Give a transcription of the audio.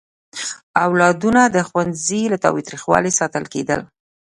اولادونه د ښوونځي له تاوتریخوالي ساتل کېدل.